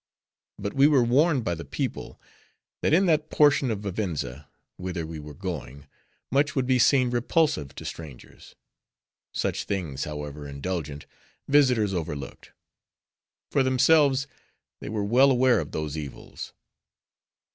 But we were warned by the people, that in that portion of Vivenza, whither we were going, much would be seen repulsive to strangers. Such things, however, indulgent visitors overlooked. For themselves, they were well aware of those evils.